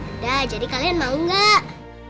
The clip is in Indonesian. udah jadi kalian mau gak